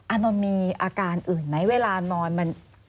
อานนท์มีอาการอื่นไหมเวลานอนมัน